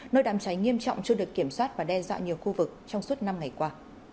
nơi đàm cháy nghiêm trọng chưa được kiểm soát và đe dọa nhiều khu vực trong suốt năm ngày qua